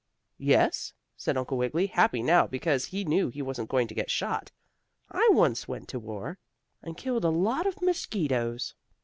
"Yes," said Uncle Wiggily, happy now because he knew he wasn't going to get shot, "I once went to war, and killed a lot of mosquitoes."